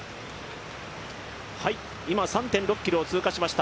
今、３．６ｋｍを通過しました。